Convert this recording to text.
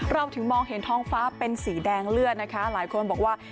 เราถึงมองเห็นท้องฟ้าเป็นสีแดงเลือดนะคะหลายคนบอกว่า